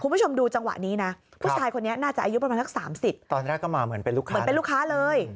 คุณผู้ชมดูจังหวะนี้นะผู้ชายคนนี้น่าจะอายุประมาณสัก๓๐ตอนแรกก็มาเหมือนเป็นลูกค้าเหมือนเป็นลูกค้าเลย